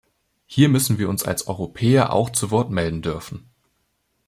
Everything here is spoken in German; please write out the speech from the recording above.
Hier müssen wir uns als Europäer auch zu Wort melden dürfen.